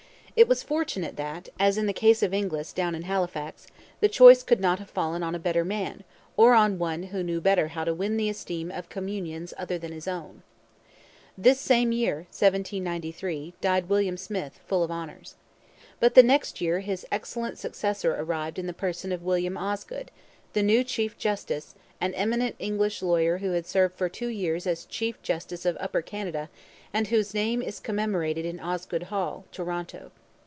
It was fortunate that, as in the case of Inglis down in Halifax, the choice could not have fallen on a better man or on one who knew better how to win the esteem of communions other than his own. This same year (1793) died William Smith, full of honours. But the next year his excellent successor arrived in the person of William Osgoode, the new chief justice, an eminent English lawyer who had served for two years as chief justice of Upper Canada and whose name is commemorated in Osgoode Hall, Toronto.